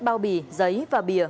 bao bì giấy và bìa